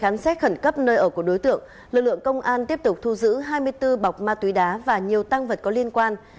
lực lượng công an tiếp tục thu giữ hai mươi bốn bọc ma túy đá và nhiều tăng vật có liên quan